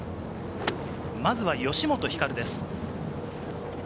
まずは吉本ひかるです。